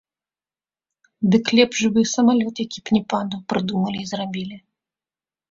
Дык лепш бы самалёт, які б не падаў, прыдумалі і зрабілі.